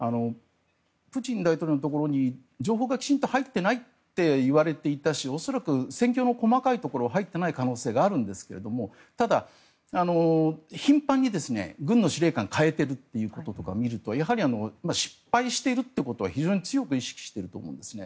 プーチン大統領のところに情報がきちんと入っていないといわれていたし恐らく戦況の細かいところは入ってない可能性があるんですがただ、頻繁に軍の司令官を代えていることを見るとやはり失敗しているということは非常に強く意識していると思うんですね。